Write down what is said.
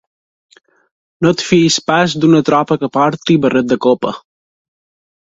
No et fiïs pas d'una tropa que porti barret de copa.